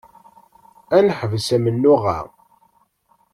Ad neḥbes amennuɣ-a.